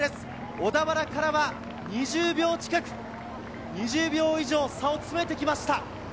小田原からは２０秒近く２０秒以上差を詰めてきました。